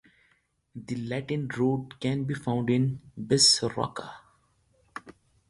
The Latin root can be found in "bis-roca".